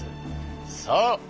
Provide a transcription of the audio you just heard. そう！